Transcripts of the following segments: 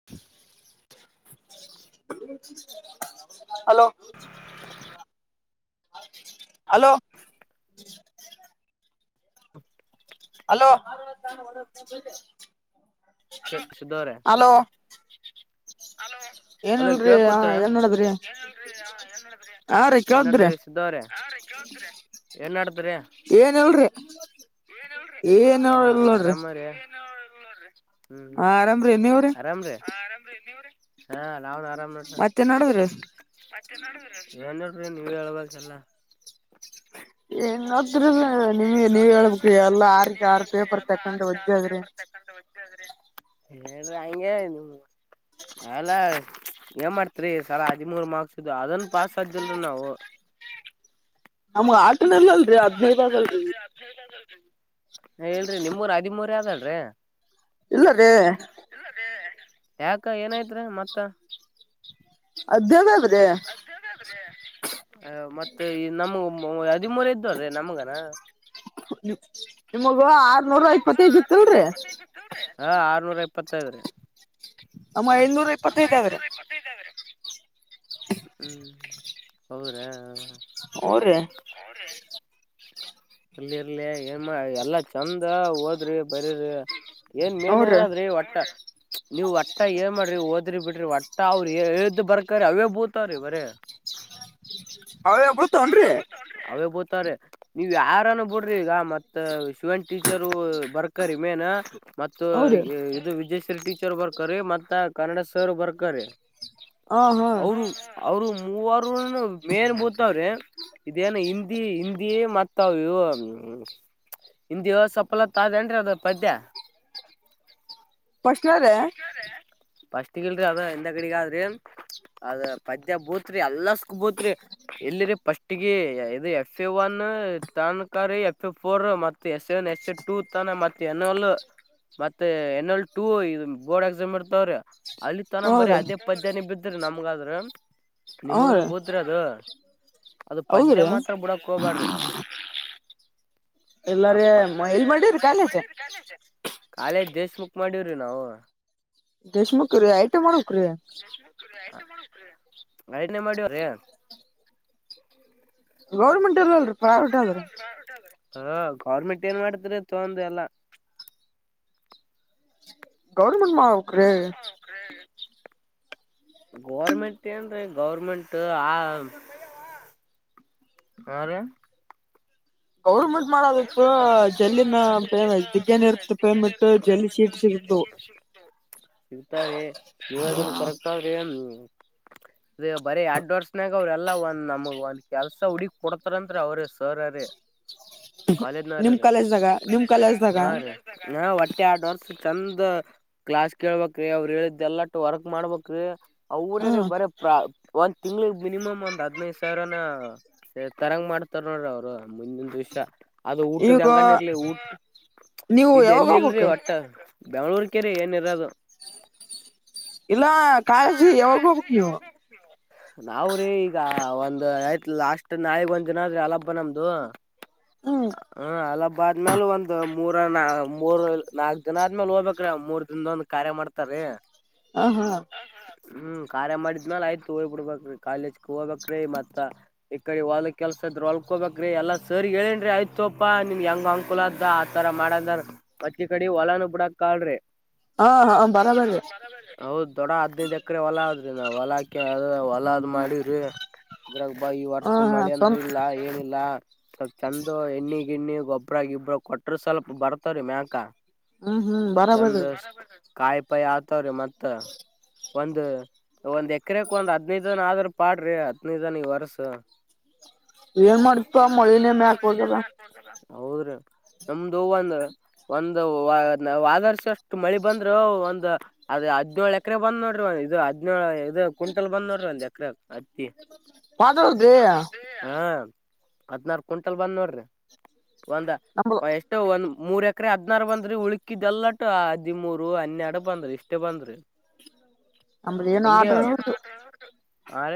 [unintelligible] Hello hello hello Siddu ಅವ್ರ hello ಅಲ್ಲ ಏನಿಲ್ರಿ ಕೇಕ್ ಕೂತ ಏನ್ ಮಾಡದ್ರಿ ಹಾ ರೀ ಏನ್ ಕೇಳದ್ರಿ ನಡದ್ರಿ ಸಿದ್ದು ಅವ್ರೇ ಏನ್ ನಧ್ದ್ದೋಡದ್ರಿ ಏನ್ ಹೇಳ್ರಿ ಏನ್ ಹಾ ಹೇಳಲ್ ನೋಡ್ರಿ [inaudible] ಹ್ಮ್ ಹ್ಮ್ ಆರಾಮ್ರಿ ನೀವ್ರಿ ಆರಾಮ್ರೀ ಹಾ ಆರಾಮ್ ನೋಡ್ರಿ ಮತ್ತೇನ್ ನಡದ್ರಿ ಅಣ್ಣ ಏನ್ ಇಲ್ರೀ ನೀವ ಹೇಳ್ಬೇಕ ಎಲ್ಲ ಏನ್ದ್ರ ನಿಮ್ಗೆ ನೀವ್ ಹೇಳ್ಬೇಕ್ರಿ ಎಲ್ಲಾ ಆರಕ್ಕೆ ಆರು ಪೇಪರ್ ತಕೊಂಡ್ರ ಒದ್ದದ್ರಿ ಹೇಳ್ರಿ ಹಂಗೆ ನೀ ಅಲ್ಲ ಏನ್ ಮಾಡ್ತ್ರಿ ಈ ಸಲಾ ಹದಿಮೂರು ಮಾರ್ಕ್ಸ್ ಬಿದ್ದು ಅದನ್ ಪಾಸ್ ಅಗ್ತಿದಿಲ್ರಿ ನಾವು ನಮ್ಗ್ ಆಟನಲ್ ಅಲ್ರರಿ ಹದ್ನೈ ಅದಾವ್ರಿ ಹೇಳ್ರರಿ ನಿಮ್ಮೂರ ಹದಿೂರಿ ಯಾವ್ದಲ್ರರಿ ಇಲ್ಲದೆ ಯಾಕ ಏನಾಯತ್ ಮತ್ತ ಅದ ಮತ್ತೆ ನಮ ಮೂೂರ ಎದ್ದವ್ರೀ ನಮ್ಗನ ನಿಮಗ ಆರ್ನೂರ ಐಪ್ಪತ್ತೈಗತ್ತಲ್ರರಿ ಹ ಆರ್ನೂರ ಇಪ್ಪತ್ತೈದ್ರೀ ಅಮ್ಮ ಐನೂರ ಇಪ್ಪತ್ತೈದ ಅವ್ರೆ ್ದ ಇದಾವ್ರೆ ಹ್ಮ್ ಹೌದಾ ಅವರ ಅವ್ರೀ ಅಲ್ಲಿ ಇರ್ಲಿ ಏನ್ ಎಲ್ಲಾ ಚಂದ ಹೋದ್ರಿ ಬರೀ್ರಿ ಏನ್ ಹ್ರೀ ಮೇನ್ೇಏನಾದ್ರಿ ಒಟ್ಟ ನೀವು್ ಒಟ್ಟ ಏನ್ ಮಾಡ್ರಿ ಓದ್ರಿ ಬಿಡ್ರಿ ಒಟ್ಟ ಅವರು್ದ್ ಬರ್ಕ್ರ ಅವೇ ಬೂತ್ ಇತ ರೀ ಬರ ಅವೇ ಬಡ್ತಾವನ್್ರೀ ಹಬೋತಾರೆ ನೀವ್ ಯಾರನ ಬಿಡ್ರಿ ಈಗ ಮತ್ತತ್ ಶಿವನ್ ಟೀಚರ್ ಬರ್ಕರಿೀ ಮೇನ್ ಮ ಹ್ರೀ ಇದು ವಿಜಯೇಶ್ವರಿ ಟೀಚರ್ ಬರ್ಕರಿ ಮತ್ತ ಕನ್ನಡ ಸರ್ ಬರ್ಕರಿ ಹ ಹಾ ಅವರು ಅವರು ಮೂವರುನು ಮೇನ್ ಬೂತವ್ರೆ ಇದೇನು ಹಿಂದಿ ಹಿಂದಿ ಮತ್ತ ಇತಾವ ಇ ಹಿಂದಿವ ಸಫಲತ್ ಅದೇನ್ರಿ ಅದ ಪದ್ಯ ಪ್ರಶ್ನ ರ ಫಸ್ಟ್ಗಲ್ರಿ ಅದ ಎಂದ ಕಡೆಗ ಆದ್ರಿ ಅದ ಪದ್ಯ ಬೂತ್ರಿ ಎಲ್ಲ ಸ್ಕ್ ಬೂತ್ರಿ ಇಲ್ಲಿ ರೀ ಪಫಸ್ಟ್ಗ ಇದು ಎಫ್ ಎ ಒನ್ ತನ್ಕಾರಿ ಎಫ್ ಎ ಫೋರ್ ಮತ್ತ ಮ ಎಸ್ನ್ ಎಸ್ ಎ ಟೂ ತಾನ ಮತ್ತೆ ಎನ್ ಎಲ್ ಮತ್ತೆ ಎನ್ ಎಲ್ ಟೂ ಇದು ಬೋರ್ಡ್ ಎಕ್ಸಾಮ್ ಇರ್ತಾವ್ರಿ ಅಲ್ಲಿ ತನ ಬರೇ ಹ್ರೀ ಅದೇ ಪದ್ಯಾನ ಬಿದ್ದ್ರಿ ನಮ್ಗ ಆದ್ರ. ನಿಮ್ಗನು ಹ್ರೀ ಬೂತ್ರಿ ಅದು ಅದು ಪದ್ಯ ಹೌದ್ರಿ ಮಾತ್ರ ಬಿಡಾಕ್ ಹೋಗ್ಬ್ಯಾಡ್ರಿ. ಇಲ್ಲರಿ ಇಲ್ ಮಡಿರಿ ಕಾಲಿ ಐತಿ. ಚಸ ಕಾಲೇಜ್ ದೇಶ ಮುಕ್ ಮಾಡೇವ್ರಿ ನಾವು. ದೇಶ್ಮುಕ್ರೀ ಐಟಿಐ ಮಾಡ್ಬೇಕ್ರೀ. [unintelligible] ಮಾಡೇವ್ರೀ. ಗೌರ್ಮೆಂಟ್ ಇಲ್ ಅಲ್ರೀ ಪ್ರೈವೇಟ್ ಅದ್ರೀ. ಹಾ ಗೌರ್ಮೆಂಟ್ ಏನ್ ಮಾಡ್ತರಿ ತಗೊಂಡ ಎಲ್ಲಾ. ಗೌರ್ಮೆಂಟ್ ಮಾಡ್ [inaudible] ಗೋರ್ಮೆಂಟ್ ಏನ್ರೀ ಗೌರ್ಮೆಂಟ್ ಆ ಹಾ ರೀ. ಗೌರ್ಮೆಂಟ್ ಮಾಡೋದಿತ್ತು ಜಲ್ಲಿನ ಪೇಮ್ ಇದಕ್ಕ ಏನ್ ಇರ್ತ ಪೇಮೆಂಟ್ ಜಲ್ದಿ ಸೀಟ್ ಸಿಗತ್ವು. ಹ ಸಿಗ್ತಾವ್ರೆ ನೀವದನ್ನ ಕರೆಕ್ಟ್ ಆದ್ರೆ ಹ ಅದ ಬರೀ ಎಡ್ಡ ವರ್ಷನಾಗ ಅವ್ರಲ್ಲ ಒಂದ್ ನಮಗ್ ಒಂದ್ ಕೆಲ್ಸ ಹುಡಿಕಿ ಕೊಡ್ತರಂದ್ರಿ ಅವ್ರ ಸರ ರೀ. ನಿಮ್ ಕಾಲೇಜ್ನವ್ರೀ ಕಾಲೇಜ್ದಾಗ ನಿಮ್ ಕಾಲೇಜ್ದಾಗ. ಹಾ ರೀ ಹಾ ಒಟ್ಟ ಯಾಡ್ ವರ್ಷ್ ಚಂದ ಕ್ಲಾಸ್ ಕೇಳ್ಬೇಕ್ರೀ ಅವರು ಹೇಳಿದ್ದೆಲ್ಲಟ್ಟು ವರ್ಕ್ ಮಾಡ್ಬಕ್ರೀ ಅವ್ರೇ ರೀ ಹ್ಮ್ ಬರೆ ಪ್ರಾ ಒಂದ್ ತಿಂಗ್ಳಗ್ ಮಿನಿಮಮ್ ಒಂದ್ ಹದ್ನೈದು ಸಾವಿರನ ಸ ತರಂಗ್ ಮಾಡ್ತಾರ ನೋಡ್ರಿ ಅವ್ರು ಮುಂದಿನ್ ದಿವ್ಸ. ಅದು ಊಟದ ಈಗ ಹೆಂಗಾನ ಇರ್ಲಿ ಊಟ್ ನೀವು ಇಲ್ಲಿ ಯಾವಾಗ ಎಲ್ಲಿ ಹೋಗ್ಬೇಕ ಇಲ್ರಿ ಒಟ್ಟ. ಬೆಂಗ್ಳೂರ್ಕೆರಿ ಏನ್ ಇರೋದು. ಇಲ್ಲಾ ಕಾಲೇಜೀಗ ಯಾವಾಗ ಹೋಗ್ಬೇಕ್ ನೀವ. ನಾವ್ರೀ ಈಗ ಒಂದ ಆಯ್ತ್ ಲಾಸ್ಟ್ ನಾಳಿಗ್ ಒಂದ್ ದಿನ ಆದ್ರ ಆಲೆಬ್ಬ ನಮ್ದು. ಹ್ಮ್ ಹಾ ಆಲಬ್ ಆದ್ಮ್ಯಾಲ ಒಂದ್ ಮೂರ ನ ಮೂರ್ ನಾಲ್ಕ್ ದಿನ ಆದ್ಮೇಲೆ ಹೋಗ್ಬೇಕ್ರೀ ಮೂರ್ ದಿನ್ದೊಂದ್ ಕಾರ್ಯ ಮಾಡ್ತಾರೀ. ಹ ಹಾ ಹ್ಮ್ ಕಾರ್ಯ ಮಾಡಿದ್ಮ್ಯಾಲ ಆಯ್ತ್ ಹೋಗ್ ಬಿಡ್ಬಕ್ರಿ ಕಾಲೇಜ್ ಹೋಗ್ಬೇಕ್ರೀ ಮತ್ತ ಈ ಕಡೆ ಹೊಲಕ್ ಕೆಲ್ಸ ಇದ್ರ ಹೊಲ್ಕೋಬೇಕ್ರಿ ಎಲ್ಲಾ ಸರೀಗ್ ಹೇಳೇನ್ರಿ ಆಯ್ತೂಪ್ಪಾ ನಿನ್ಗ ಹೆಂಗ ಅನ್ಕೂಲ ಆದ್ದ ತರ ಮಾಡಂದಾರ ಮತ್ತೀಕಡೆ ಹೊಲನು ಬಿಡಕ್ ಕಳ್ರಿ. ಹಾ ಹಾ ಬರಾಬರ್ರಿ ಹೌದ್ ದೊಡ ಹದ್ನೈದ ಎಕ್ರೆ ಹೊಲ ಆದ್ರಿ ನಾವ್ ಹೊಲಾಕಿ ಅದ ಹೊಲಾದ್ ಮಾಡಿವ್ರಿ. ಇದ್ರಾಗ ಬಾ ಈ ಹ ವರ್ಷ ಹಾ ಮಳೆ ಅಂದ್ರೆ ಸ್ವಂತ ಇಲ್ಲ ಏನಿಲ್ಲಾ. ಸ್ವಲ್ಪ್ ಚೆಂದ ಎಣ್ಣಿ ಗಿಣ್ಣಿ ಗೊಬ್ಬ್ರ ಗಿಬ್ರ ಕೊಟ್ರ ಸ್ವಲ್ಪ ಬರ್ತಾವ್ರೀ ಮ್ಯಾಕ. ಹ್ಮ್ ಹ್ಮ್ ಚಂದ ಬರಾಬರ್ರಿ ಕಾಯಿ ಪಾಯಿ ಆತವ್ರಿ ಮತ್ತ. ಒಂದ ಒಂದ್ ಎಕ್ರೆಕ್ ಒಂದ್ ಹದ್ನೈದನ ಆದ್ರ ಪಾಡ್ರಿ ಹದ್ನೈದನ ಈ ವರ್ಸ. ಏನ್ ಮಾಡ್ತಾ ಮಳೀನೆ ಮ್ಯಾಕ್ ಹೋಗದ. ಹೌದ್ರಿ ನಮ್ದು ಒಂದ ಒಂದು ವಾ ಹ್ವಾದರ್ಸ ಅಷ್ಟು ಮಳಿ ಬಂದ್ರು ಒಂದು ಅದ ಹದ್ನೋಳೆಕ್ ಎಕ್ರ ಬಂದ್ ನೋಡ್ರಿ ಒ ಇದು ಹದ್ನೇಳ ಇದು ಕ್ವಿಂಟಲ್ ಬಂದ್ ನೋಡ್ರಿ ಒಂದು ಎಕ್ರೆ ಹತ್ತಿ. [unintelligible] ಹಾ ಹದ್ನಾರು ಕ್ವಿಂಟಲ್ ಬಂದ್ ನೋಡ್ರಿ ಒಂದ ನಮ್ದ ಎಷ್ ಒಂದ್ ಮೂರ್ ಎಕರೆ ಹದ್ನಾರ ಬಂದ್ರಿ ಉಳಕಿದ್ದಲ್ಲಟ್ಟ ಹದಿಮೂರು ಹನ್ನೆರಡು ಬಂದ್ರಿ ಇಷ್ಟೇ ಬಂದ್ರಿ ಅಮ್ರ ಏನು ಆರ್್ರ ಹು ಹ ರ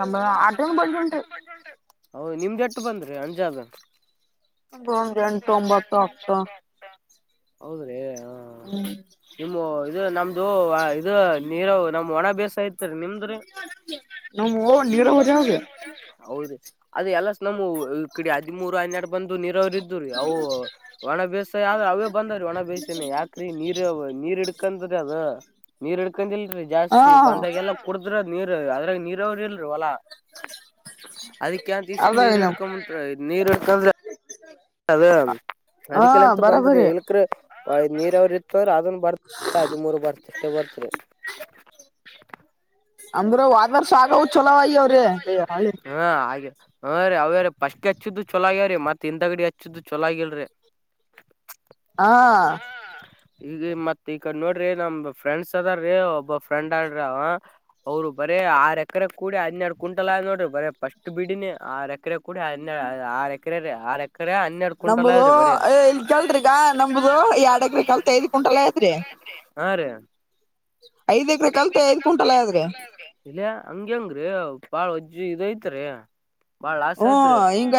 ನಮ್ಮ್ ಆಟ್ ಬಯಟ್ಟ್ ಹೌದು ನಿಮ್ದ್ ಎಟ್ಟು ಬಂದ್ರರಿ ಅಣ್ಜಾಗನ್ ಒಂದ್ ಎಂಟು ಒಂಬತ್ತು ಹತ್ತು ಹೌದ್ರಿ ಹ ಹ್ಮ್ ಇದು ನಮ್ದು ಇದು ನೀರು ನಮ್ ವಣ ಬೈಸು ಇತ್ತುರಿ ನಿಮ್ಧು [unintelligible] ನಮ್ಮ [unintelligible] ಹೌದ ಅದ ಎಲ್ಲ ಸಂ ಕಡೆ ಹದಿಮೂರು ಹನ್ನೆರಡು ಬಂದು ನೀರವ್ರ ಇದ್ದುರೀ ಅವು ಬಾಳ ಬೇಸ್ ಯಾವ್ರ ಅವೇ ಬಂದ್ರೀ ಒಣ ಬೇಸಸಿನ ಯಾಕ್ರೀ ನೀರ್ ನೀರ್ ಹಿಡ್ಕಂದ್ರಿ ಅದು ನೀರ್ ಇಡ್ಕೊಂಡಿಲ್ರರಿ ಹಾ ಜಾಸ್ತಿ ಬಂದಾಗೆಲ್ಲಾ ಕುಡದ್ರ ನೀರ್ ಅದ್ರಾಗ ನೀರವರಿ ಎಲ್ರಿ ಹೊಲಾ ಅದಕ್ಕೆಂತಸ ಅದಾಗ ನೀರ್ ನಮ್ ಇಡ್ಕೊಂಬಂಟ ನೀರ್ ಇಡ್ಕಂದ್ರೆ ಅದೆ ಹಾ ಅದಕ್ಕೆಲ್ಲಂತು ಬಂದ್ರಿ ಬರಬರಿ ಇಲ್ಲಿ ನೀರಾವರಿ ಇತ್ತಂದ್ರ ಅದನ್ ಬರ್ತ ಹದಿಮೂರ್ ಬರ್ತಷ್ಟೇ ಬರ್ತ್ರಿ ಅಂದ್ರೆ ಹೋದರು ಸಾಕಿರೊ ಚನಾಗೆವ್ರಿ ಹಾ ಹಾಗೆ ರೀ ಅವ್ಯ ಫಷ್ಟಿಗೆ ತಿದ್ದು ಚೆಲುವಾಗಿರಿ ಆಮೇಲೆ ಹಿಂದಗಡೆ ಹೆಚ್ಚಿದ ಚುಲುವಾಗಿಲ್ರಿ ಹಾ ಈಗ ಮತ್ ಈಗ ನೋಡ್ರಿ ನಮ ಫ್ರೆಂಡ್ಸ್ ಅದಾರ್ರೀ ಒಬ್ಬ ಫ್ರೆಂಡ್ ಅ್ರ ಅವರು ಬರೇ ಆರ ಎಕರೆ ಕೂಡಿ ಹದ್ೆರಡು ಕ ಕುಂಟಲ್ ಆ್ ನೋಡ್ರ ಬರರಿ ಫಸ್ಟ್ ಬಿಡಿನಿ ಆ ರ ಎಕರೆ ಕೂಡ ಅ ಆರು ಎಕರೆ ಆರು ಎಕರೆ ಹನ್ನೆರಡ್ ಕುಂಟಲ್ ನಮುದು ಆದ್ರಿ ಬರೀ ಇಲ್ ಕೆಲ್ರಿಿಗ ನಮುದು ಎರಡಕ್ರ ಕಲ್ತ್ ಐದ್ ಕುಂಟಲ್ ಐತ್ರಿ ಹಾ ರೀ ಐದ್ ಎಕ್ರ ಕಲ್ತೆ ಐದ್ ಕುಂಟಲ್ಲ ಆದ್ರಿ ಇಲ್ಲ ಹಂಗಗೆ ಹೆಂಗ್ರರಿ ಬಾಳ ಅಜ್ಜಿ ಇದ ಐತ್ರಿ ಹ್ಮ ಹಿಂಗ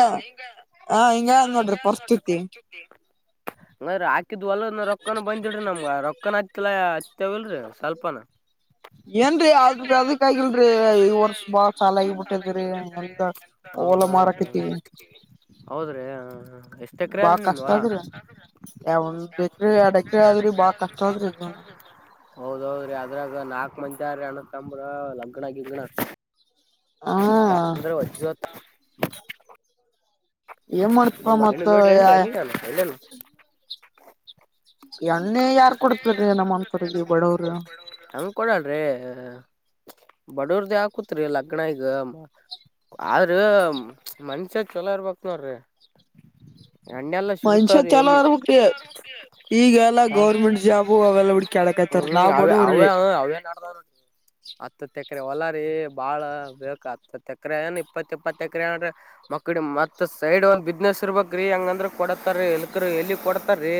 ಹಿಂಗ್ ಅದ ನೋಡ್ರಿ ಪರಿಸ್ಥಿತಿ [unintelligible] ಅಂಗರಿ ಹಾಕಿದ್ವಲರಿ ರೊಕ್ಕನ ಬಂದಿಲ್ಲಿ ನಮ್ಗ ರೊಕ್ಕನ ಹತ್ತಲ್ಲ ಹತ್ತವಲ್ರಿ ಸ್ವಲ್ಪನು ಏನ್ರೀ ಆದ್ರ ಅದಕ್ಕ ಆಗಿಲ್ರರಿ ಈ ವರ್ಷ ಬಾಳ ಸಾಲ ಆಗಬಿಟ್ಟಿದ್ರಿ ಎಂತ ಹೌದೌದು ಹೌದ್ರೀ ಎಷ್ಟು ಎಕರೆ ಆದ ನಿಮ್ದು ಹೊಲ ಯಾವ ಒಂದ ಎಕ್ರೆ ಹೆರಡ್ ಎಕ್ರೆ ಆದ್ರಿ ಬಾಳ ಕಷ್ಟ ಆದ್ರಿ ಹೌದೌದ್ರೀ ಅದ್ರಾಗ ನಾಕ ಮಂದ್ಯಾರೀ ಅಣ್ಣತ್ತಂಬ್ರ ಲಗ್ನಗಿಗ್ನ ಆಗಿದನ ಹಾ [unintelligible] ಏನ್ ಮಾಡ್ತೀಯಪ್ಪ ನಿಮ್ ಹೆಣ್ಣು ಮತ್ತು ನೋಡ್ರಿ ಏನ್ರಿ [unintelligible] ಎಣ್ಣೆ ಯಾರ್ ಕೊಡ್ತರಿರಿ ನಮ್ಮ ಅಂತವರೆಗೆ ಬಡವರು ಹಂಗ್ ಕೊಡಳ್ರಿ ಬಡವರದೇ ಹಾಕತ್ರಿ ಲಗ್ನ ಈಗ ಆದ್ರ ಮನಸು ಚಲೋ ಇರ್ಬೇಕಕ್ ನೋಡ್ರಿ ಎಣ್ಣೆ ಯೆಲ್ಲಾ ಮನುಷ್ಯ ಸಿಗತವ್ರಿ ಚಲೋ ಇರ್ಬೇಕ್ರಿ ಈಗೆಲ್ಲಾ ಗೌರ್ಮೆಂಟ್ ಜಾಬು ಅವೆಲ್ಲ ಹುಡ್ಕ್ಯಾಡಕತ್ತಾರ ಹ್ಮ್ ನಾವ್ ಅವೇ ಅವೇ ಬಡವ್ರಿ ಅವೇ ನೇದಾವ್ರಿ ಹತ್ತತ್ ಎಕರೆ ಹೊಲಾರಿ ಬಾಳ ಬೇಕ ಹತ್ತತ್ತು ಎಕರೆ ಏನ್ ಇಪ್ಪತ್ ಇಪ್ಪತ್ತು ಎಕರೆ ನೋಡ್ರಿ ಮಾಗಡಿ ಮತ್ ಸೈಡ್ ಒಂದು ಬಿಜಿನೆಸ್ ಇರಬೇಕ್ರಿ ಅಂದ್ರೆ ಕೊಡುತ್ತಾರೆ ಇಲ್ಲಾಂದ್ರೆ ಏನು ಕೊಡುತ್ತಾರೆ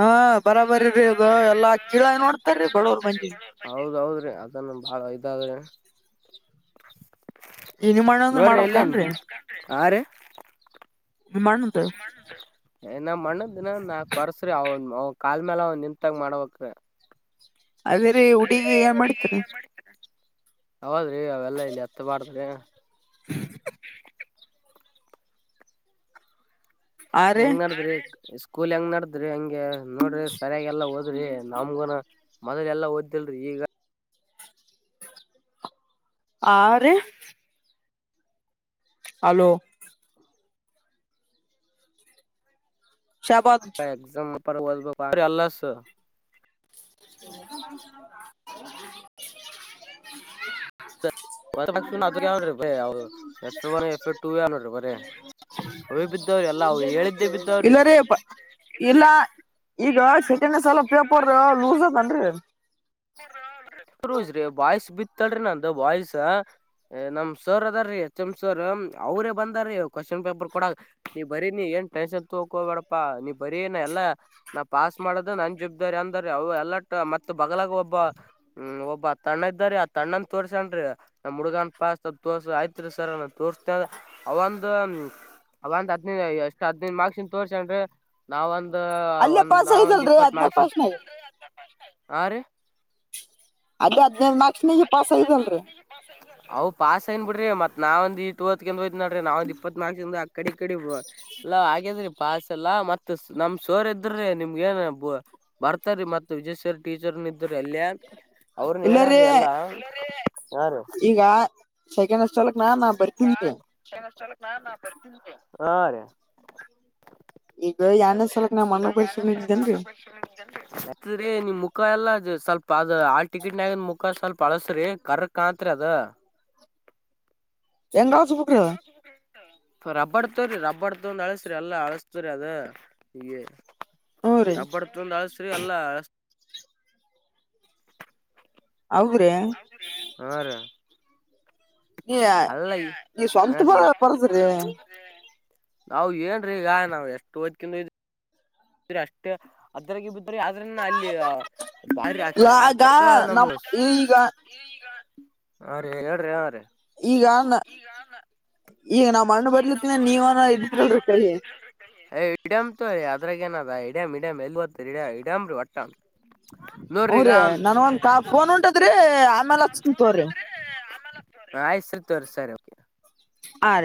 ಹಾ ಬರಾಬಾರೀ ಅದು ಎಲ್ಲಾ ಗಿಳಗಿ ನೋಡ್ತಾರೀ ಬಡವರ್ ಮಂದಿಗೆ ಹೌದ್ ಹೌದ್ರಿ ಅದನ್ನು ಬಾಳ ಇದಗೀದೆ ಇದ್ ಮಾಡ್ ಅಂದ್ರ ಮಾಡ್ಬೇಕ್ ಏನ್ರಿ ಹಾ ರೀ [unintelligible] ನಮ್ ಅಣ್ಣಾಗೆ ಇನ ನಾಲಕ್ ವರ್ಷರಿ ಅವನ ಕಾಲ್ ಮೆಲ್ ಅವನ್ ನಿಂತಗ್ ಮಾಡ್ಬೇಕ್ ರಿ ಅದೇರೀ ಹುಡುಗಿ ಏನ್ ಮಾಡ್ತಾರೆ ಹೌದ್ರಿ ಅವೆಲ್ಲ ಇಲ್ಲಿ ಎತ್ತಬಾರದ್ದು ಆ ರೀ ಹೆಂಗ್ ನೇ ಡದ್ರಿ ಸ್ಕೂಲ್ ಹೆಂಗ್ ನೆಡದ್ರಿ ಹೆಂಗೆ ಈಗ ನೋಡು ಸರಿಯಾಗಿಲ್ಲ ಹೋದ್ರಿ ಮೊದಲಲ್ಲ ಓದಿಲ್ಲ ಆರಿ ಹಲೋ ಶಪತ್ ಎಕ್ಸಾಮ್ರ ದ್ಬೇಕ ಅಲ್ಲಸ್ [unintelligible] ಅದ F A one F A ಟುಏೋ್ರಿ ಬರ ಅವೇ ಬಿದ್ದವ್ರಿ ಎಲ್ಲಾ ಅವ ಹೇಳಿದ್ದೇ ಬಿದ್ದಾವ್ರಿ ಇಲ್ಲರಿ ಇಲ್ಲ ಈಗ ಸಕನ್ ಸಲ ಪೇಪರ್ ಲೂಸ್ ಅತನ್ರಿ ಜ್ರಿ ಬಾಯ್ಸ್ ಬಿತ್ತಲ್ಿ ನಂದು ಬಾಯ್ಸ ನಮ್ ಸೋರ್ ಅದ ರೀ ಎಚ್ ಎಂ್ ಸೋರ್ ಅವರೇ ಬಂದಾರೀ ಕ್ವಶನ್ ಪೇಪರ್ ಕೊೂಡ ನೀ ಬರೀ ನೀ ಏನ್ ಟೆನ್ಷನ್ ತೊಕೊಬೇಡಪ್ಪಾ ನೀ ಬರೀನ ಎಲ್ಲಾ ನಾ ಪಾಸ್ ಮಾಡೋದು ನನ್ ಜಬ್ದಾರಿ ಅಂದ್ರ ಅವ ಎಲ್ಲ ಮತ್ತ ಬಗ್ಲಾಗ ಒಬ್ಬ ಒಬ್ಬ ಹ್ಮ ಒಬ್ಬ ತಣ್ಣ ಇದ್ದಾರಿ ಆ ತಣ್ಣನ್ ತೋರ್ಸನ್್ರಿ ನಮ್ಮ್ ಹುಡ್ಗನ್ ಪಾಸ್ ತೋರ್ಸ ಆಯ್ತ್ರಿ ಸರ್ ನ ತೋರ್ತೆ ಅವಂದ ಅವಂದ್ ಹದಿನೈದು ಎಷ್ಟ್ ಹದಿನೈದು ಮಾರ್ಕ್ಸನ್ ತೋರ್ಸನ್ರೀ ನಾವೊಂದ ಅಲ್ಲೇ ಒಂದ್ ಪಾಸ್ ನಾವ ಒಂದ್ ಆಗಿದಲ್ರರಿ ಹದ್ನೈದು ಇಪ್ಪತ್ನಾಲ್ಕ ಪಾಸ್ನಾಗ ಹಾರೀ ಅದು ಹದಿನೈದದುಕ್ [unintelligible] ಅವು ಪಾಸ್ ಐನ್ ಬಿಡ್ರ ಮತ್ ನಾವ ಒಂದ ಇಟ್ವತ್ ಹೋಯ್ ನಡ್ರ ನಾವ ಒಂದ ಇಪ್ಪತ್ ನಾಕ ಜ ಆಗ್ತ ಕಡಿ ಕಡಿ ಎಲ್ಲ ಹಾಗ್ಯಾದ್ರೆ ಪಾಸಲ್ಲಾ ಮತ್ ನಮ್ ಶೋರ್ ಇದ್ರೆ ನಿಮ್ಗಏನ್ ಬರ್ತಾರ ಮತ್ತ ವಿಜಯ್ವರ್ ಟೀಚರ್ನ ಇದ್ರ ಅಲ್ಲಯ ಅವ್ರನ್ ಹೇಳಾರ ಇಲ್ಲರೀ ರಿ ಎಲ್ಲಾ ಹಾ ರೀ ಈಗ ಸೆಕೆಂಡ್ ಅಸ್ಲ್ಕ್ ನ ನಾ ಬರ್ತನ್ವಿ ಹಾ ರ ಈಗ ಯನ್ ಸಲಕ್ ನಾ್ ಅ್ಣ ಪರಿಷ ಇಿದ್ದೇನ್ರಿ ಹತ್ ನಿಮ್ ಮುಖ ಎಲ್ಲ ಅ್ ಸ್ವಲ್ಪ ಅದ ಆ ಟಿಕೆಟ್ನಾಗದ ಮುಖ ಸ್ವಲ್ಪ ಅಳಸ್ರಿ ಕರ್ ಕತ್ರಿ ಅದ ಎಂಗ್ರ ಬೆಂಗಾಲ್ ಸು ರಬ್ಬಡ್ ತವ್ರಿ ರಬ್ಬರ್ ತೊಂದು ಅಳಸ್ರಿ ಎಲ್ಲಾ ಅಳಸ್ತ್ರರಿ ಅದ ಈಗ ರೀ ತಬ್ಬಡ್ತಂದು ಅಳಸ್ರಿ ಅಲ್ಲ ಅ ಅವ್ರೆ ಹಾ ರ ಈ ಈ ಸ್ವಂತ ಹಾ ಬರ ರೀ ಬರ್ದ್ರಿ ನಾವು ಏನ್ರೀ ಈಗ ನಾವ್ ಎಷ್ಟ್ ಹೊ್ಿಂದು ಅಷ್ಟೇ ಅದ್ರಗೆ ಬಿದ್ರೆ ಯಾವ ಅದ್ರನ್ನ ಅಲ್ಲಿ ಬಾರಿ ಆ ಆ ಈಗ ಕೆಕ್ಕ ನಮ್ ನಮ್ಮ ಈಗ ಹಾ ರೀ ಹೇಳ್ರಿ ಯಾ ರೀ ಈಗ ಈಗ ನ ಈಗ ನಾ್ ಮ್ಣ ಬಿನ ನೀವ [inaudible] ಹಿಡಂ ತ ಅದ್ರಾಗ ನದ ಇಡಂ ಹಿಡಮಂ ಎಲ್ ಒಡ ಹಿಡಂ ಒಟ್ಟಂ ಹಊ್ರ ನನ್ ಒಂದ ಕ ಫೋನ್ ಉಂಟದ್ರಿ ಆಮೇಲ್ ಹಕ್ಂತವ್ರಿ ಆ ಹೆಸರು ತೋರ್ ಸರಿ ಕೆ ಆ ರ